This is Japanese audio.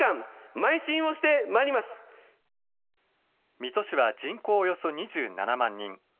水戸市は人口およそ２７万人。